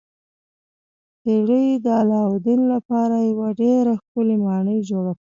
پیري د علاوالدین لپاره یوه ډیره ښکلې ماڼۍ جوړه کړه.